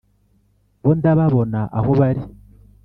bo ndababona aho bari